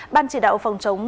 ban chỉ đạo phòng chống